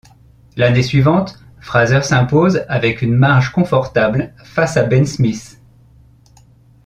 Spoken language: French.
L'année suivante, Fraser s'impose avec une marge confortable face à Ben Smith.